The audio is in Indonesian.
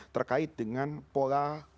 terkait dengan pola